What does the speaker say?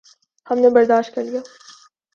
ہم نے برداشت کر لیا۔